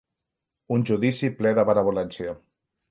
Un judici ple de benevolència.